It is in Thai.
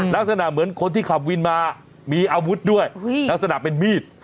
ลักษณะเหมือนคนที่ขับวินมามีอาวุธด้วยลักษณะเป็นมีด